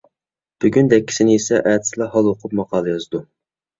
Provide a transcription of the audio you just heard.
بۈگۈن دەككىسىنى يىسە، ئەتىسىلا ھال ئوقۇپ ماقالە يازىدۇ.